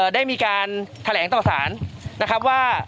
ได้มีการแถลงต่อสารนะครับว่า